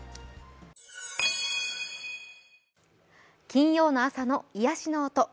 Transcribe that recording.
金曜の朝の癒やしの音